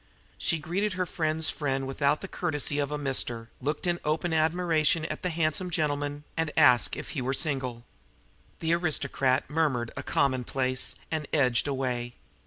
She greeted her friend's friend without the courtesy of a "Mr.," looked in open admiration at the handsome gentleman, and asked if he were single. The aristocrat murmured a commonplace and edged away.